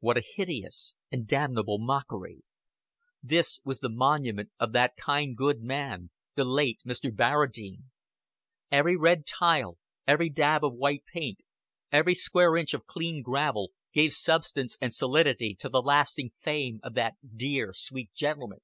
What a hideous and damnable mockery! This was the monument of that good kind man, the late Mr. Barradine. Every red tile, every dab of white paint, every square inch of clean gravel, gave substance and solidity to the lasting fame of that dear sweet gentleman.